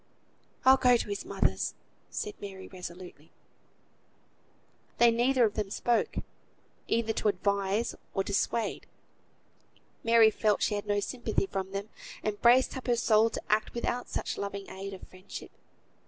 "I'll go to his mother's," said Mary, resolutely. They neither of them spoke, either to advise or dissuade. Mary felt she had no sympathy from them, and braced up her soul to act without such loving aid of friendship.